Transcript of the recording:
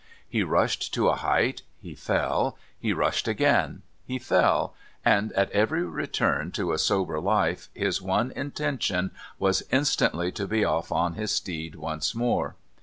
He rushed to a height, he fell, he rushed again, he fell, and at every return to a sober life his one intention was instantly to be off on his steed once more.